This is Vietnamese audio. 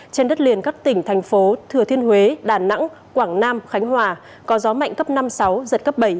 trên đất liền các tỉnh thành phố thừa thiên huế đà nẵng quảng nam khánh hòa có gió mạnh cấp năm sáu giật cấp bảy